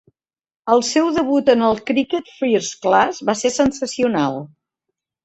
El seu debut en el criquet first-class va ser sensacional.